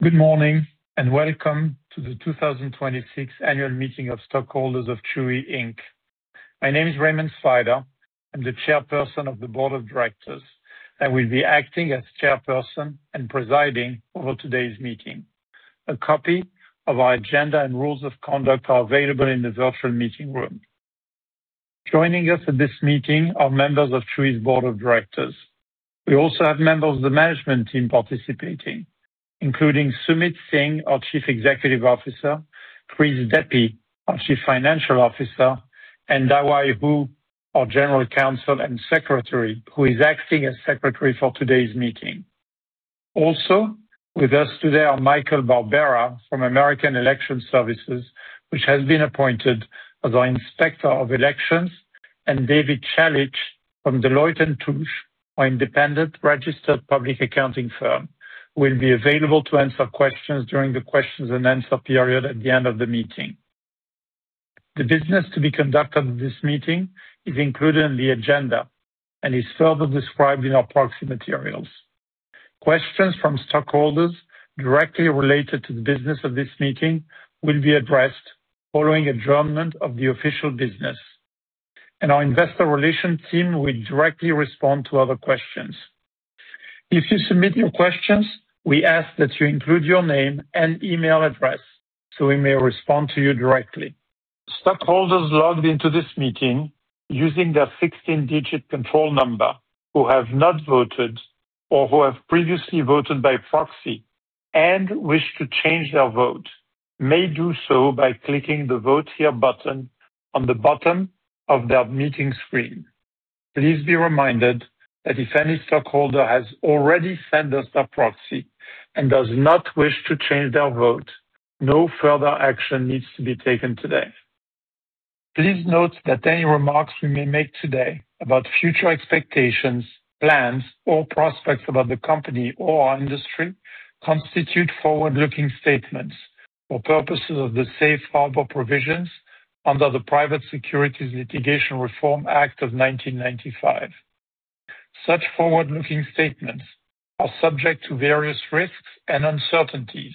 Good morning, welcome to the 2026 Annual Meeting of Stockholders of Chewy, Inc. My name is Raymond Svider. I'm the Chairperson of the Board of Directors and will be acting as chairperson and presiding over today's meeting. A copy of our agenda and rules of conduct are available in the virtual meeting room. Joining us at this meeting are members of Chewy's board of directors. We also have members of the management team participating, including Sumit Singh, our Chief Executive Officer, Chris Deppe, our Chief Financial Officer, and Da-Wai Hu, our General Counsel and Secretary, who is acting as secretary for today's meeting. Also with us today are Michael Barbera from American Election Services, which has been appointed as our inspector of elections, and David Chalich from Deloitte & Touche, our independent registered public accounting firm, who will be available to answer questions during the questions-and-answer period at the end of the meeting. The business to be conducted at this meeting is included in the agenda and is further described in our proxy materials. Questions from stockholders directly related to the business of this meeting will be addressed following adjournment of the official business, and our investor relation team will directly respond to other questions. If you submit your questions, we ask that you include your name and email address so we may respond to you directly. Stockholders logged into this meeting using their 16-digit control number, who have not voted or who have previously voted by proxy and wish to change their vote, may do so by clicking the Vote Here button on the bottom of their meeting screen. Please be reminded that if any stockholder has already sent us their proxy and does not wish to change their vote, no further action needs to be taken today. Please note that any remarks we may make today about future expectations, plans, or prospects about the company or our industry constitute forward-looking statements for purposes of the safe harbor provisions under the Private Securities Litigation Reform Act of 1995. Such forward-looking statements are subject to various risks and uncertainties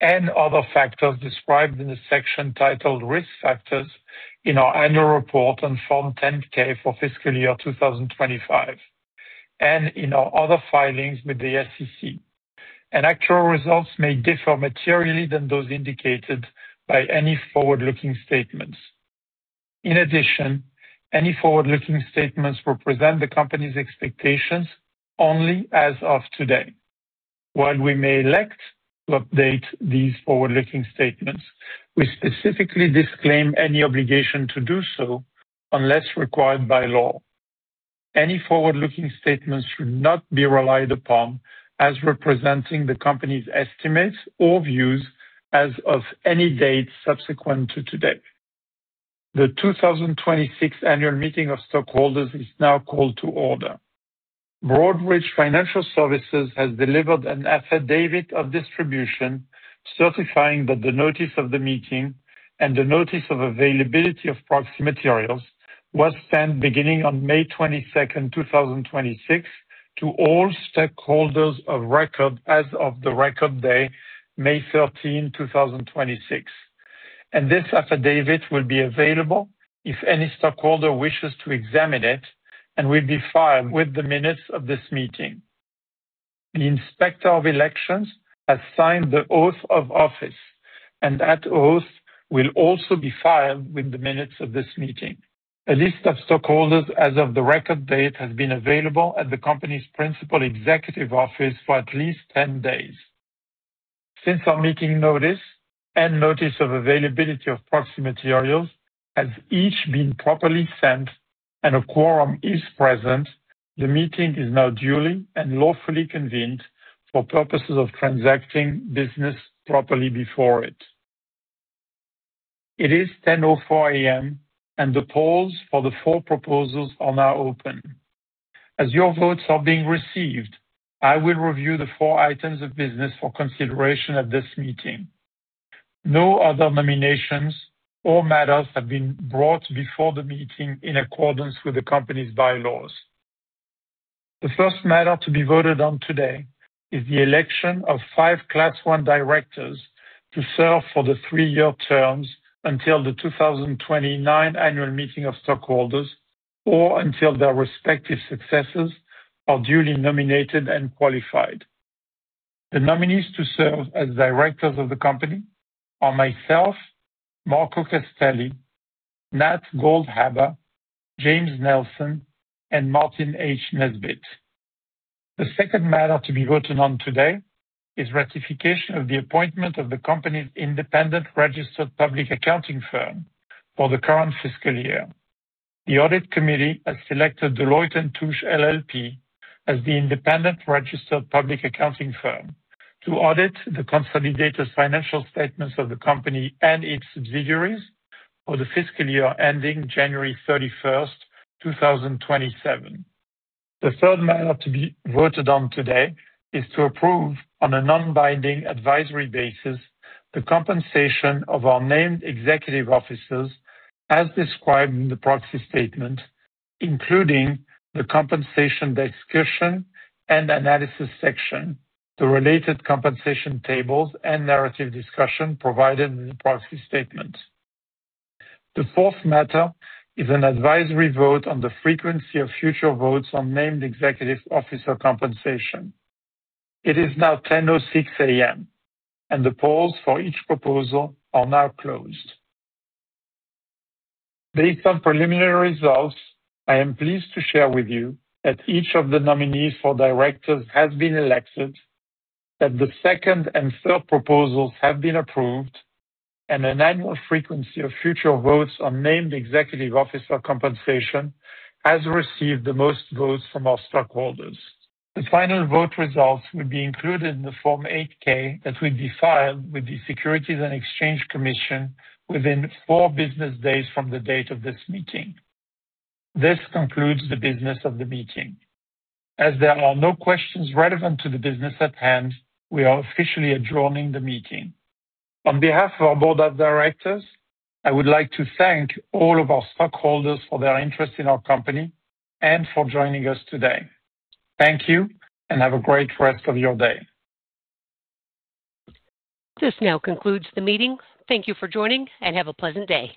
and other factors described in the section titled Risk Factors in our annual report on Form 10-K for fiscal year 2025 and in our other filings with the SEC, and actual results may differ materially than those indicated by any forward-looking statements. In addition, any forward-looking statements represent the company's expectations only as of today. While we may elect to update these forward-looking statements, we specifically disclaim any obligation to do so unless required by law. Any forward-looking statements should not be relied upon as representing the company's estimates or views as of any date subsequent to today. The 2026 annual meeting of stockholders is now called to order. Broadridge Financial Services has delivered an affidavit of distribution certifying that the notice of the meeting and the notice of availability of proxy materials was sent beginning on May 22nd, 2026, to all stockholders of record as of the record day, May 13, 2026. This affidavit will be available if any stockholder wishes to examine it and will be filed with the minutes of this meeting. The Inspector of Elections has signed the oath of office, and that oath will also be filed with the minutes of this meeting. A list of stockholders as of the record date has been available at the company's principal executive office for at least 10 days. Since our meeting notice and notice of availability of proxy materials has each been properly sent and a quorum is present, the meeting is now duly and lawfully convened for purposes of transacting business properly before it. It is 10:04 A.M., and the polls for the four proposals are now open. As your votes are being received, I will review the four items of business for consideration at this meeting. No other nominations or matters have been brought before the meeting in accordance with the company's bylaws. The first matter to be voted on today is the election of five Class I directors to serve for the three-year terms until the 2029 annual meeting of stockholders or until their respective successors are duly nominated and qualified. The nominees to serve as directors of the company are myself, Marco Castelli, Nat Goldhaber, James Nelson, and Martin H. Nesbitt. The second matter to be voted on today is ratification of the appointment of the company's independent registered public accounting firm for the current fiscal year. The audit committee has selected Deloitte & Touche LLP as the independent registered public accounting firm to audit the consolidated financial statements of the company and its subsidiaries for the fiscal year ending January 31st, 2027. The third matter to be voted on today is to approve, on a non-binding advisory basis, the compensation of our named executive officers as described in the proxy statement, including the compensation discussion and analysis section, the related compensation tables, and narrative discussion provided in the proxy statement. The fourth matter is an advisory vote on the frequency of future votes on named executive officer compensation. It is now 10:06 A.M., and the polls for each proposal are now closed. Based on preliminary results, I am pleased to share with you that each of the nominees for directors has been elected, that the second and third proposals have been approved, and an annual frequency of future votes on named executive officer compensation has received the most votes from our stockholders. The final vote results will be included in the Form 8-K that will be filed with the Securities and Exchange Commission within four business days from the date of this meeting. This concludes the business of the meeting. As there are no questions relevant to the business at hand, we are officially adjourning the meeting. On behalf of our board of directors, I would like to thank all of our stockholders for their interest in our company and for joining us today. Thank you, and have a great rest of your day. This now concludes the meeting. Thank you for joining, and have a pleasant day.